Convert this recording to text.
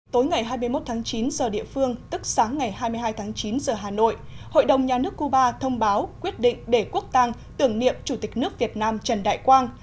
tối ngày hai mươi một tháng chín giờ địa phương tức sáng ngày hai mươi hai tháng chín giờ hà nội hội đồng nhà nước cuba thông báo quyết định để quốc tàng tưởng niệm chủ tịch nước việt nam trần đại quang